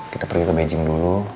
kita pergi ke beijing dulu